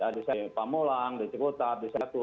di pamulang di cikuta di satu